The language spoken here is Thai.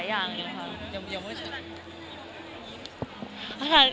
เกี่ยวกับเมื่อเชิง